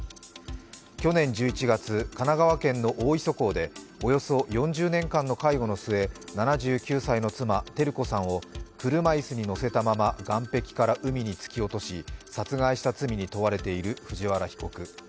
去年１１月、神奈川県の大磯港でおよそ４０年間の介護の末７９歳の妻、照子さんを車椅子に乗せたまま岩壁から海に突き落とし殺害した罪に問われている藤原被告。